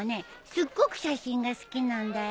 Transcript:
すっごく写真が好きなんだよ。